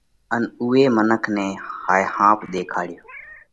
ان اُوئي منک نئہ هائي ۿاپ ۮيکاڙيو۔